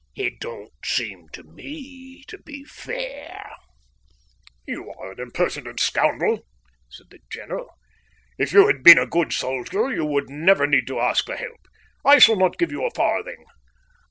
It don't seem to me to be fair." "You are an impertinent scoundrel," said the general. "If you had been a good soldier you would never need to ask for help. I shall not give you a farthing."